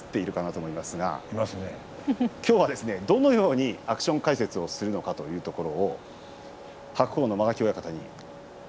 きょうは、どのようにアクション解説をするのかというところを白鵬の間垣親方に。